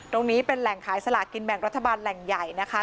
ตรงนี้เป็นแหล่งขายสลากินแบ่งรัฐบาลแหล่งใหญ่นะคะ